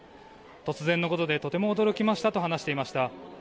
突然のことでとても驚きましたと話していました。